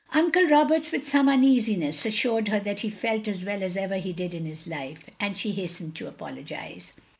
Uncle Roberts, with some uneasiness, assured her that he felt as well as ever he did in his life, and she hastened to apologise.